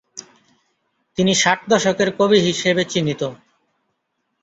তিনি ষাট দশকের কবি হিসাবে চিহ্নিত।